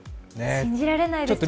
信じられないです。